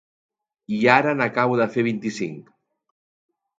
I ara n'acabo de fer vint-i-cinc.